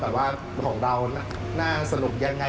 แต่ว่าของเราน่าสรุปยังไง